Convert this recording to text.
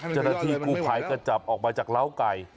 จณทีกูไผ่กระจับออกมาจากร้าวไก่